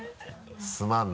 すまんな。